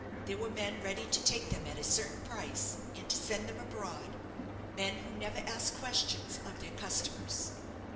There were men ready to take them at a certain price, and to send them abroad; men who never ask questions of their customers.